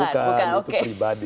bukan itu pribadi